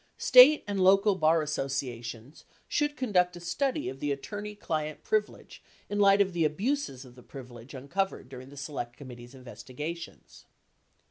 State and local bar associations should conduct a study of the attorney client privilege in light of the abuses of the privilege un covered during the Select Committee's investigations.